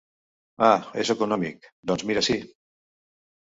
Ah, és econòmic, doncs mira sí.